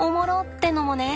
てのもね。